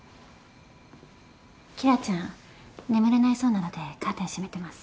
紀來ちゃん眠れないそうなのでカーテン閉めてます。